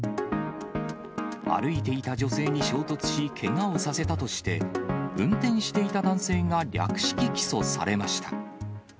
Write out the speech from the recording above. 歩いていた女性に衝突し、けがをさせたとして、運転していた男性が略式起訴されました。